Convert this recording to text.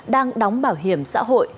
đang đóng bảo hiểm xã hội